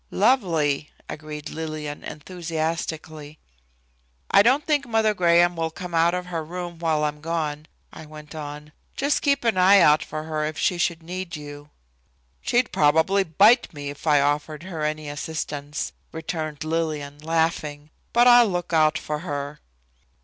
"Lovely," agreed Lillian enthusiastically. "I don't think Mother Graham will come out of her room while I'm gone," I went on. "Just keep an eye out for her if she should need you." "She'd probably bite me if I offered her any assistance," returned Lillian, laughing, "but I'll look out for her."